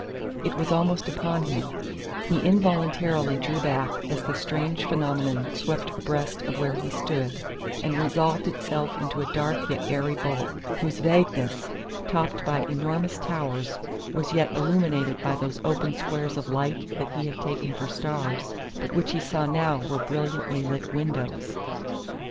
It was almost upon him; he involuntarily drew back as the strange phenomenon swept abreast of where he stood, and resolved itself into a dark yet airy bulk, whose vagueness, topped by enormous towers, was yet illuminated by those open squares of light that he had taken for stars, but which he saw now were brilliantly lit windows.